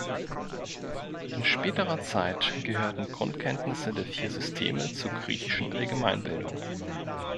In späterer Zeit gehörten Grundkenntnisse der vier Systeme zur griechischen Allgemeinbildung.